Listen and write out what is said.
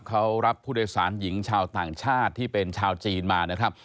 เขารับผู้โดยสารหญิงชาวต่างชาติที่เป็นชาวจีนมานะครับ